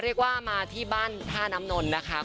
เรียกว่ามาที่บ้านท่าน้ำนนนะคะ